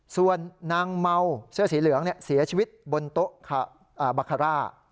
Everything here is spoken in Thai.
ส่วนนางเมาเสื้อสีเหลืองเสียชีวิตบนโต๊ะบาคาร่า